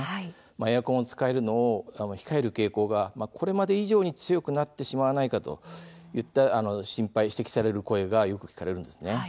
エアコンを使うのを控える傾向がこれまで以上に強くなってしまわないかと指摘される声がよく聞かれます。